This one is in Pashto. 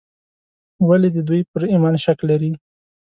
ولې د دوی پر ایمان شک لري.